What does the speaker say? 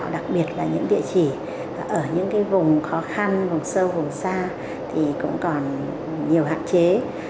đặc biệt là những địa chỉ ở những vùng khó khăn vùng sâu vùng xa thì cũng còn nhiều hạn chế